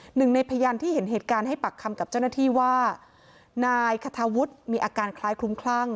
หนึ่งในพยานที่เห็นเหตุการณ์ให้ปากคำกับเจ้าหน้าที่ว่านายคาทาวุฒิมีอาการคล้ายคลุ้มคลั่ง